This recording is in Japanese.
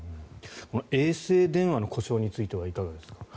衛星電話の故障についてはいかがですか。